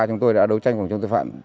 chúng tôi đã đấu tranh phòng chống tội phạm